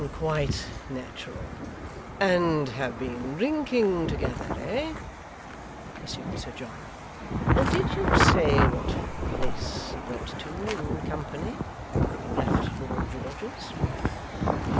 'Quite natural! And have been drinking together, eh?' pursued Sir John. 'Did you say what place you went to in company, when you left Lord George's?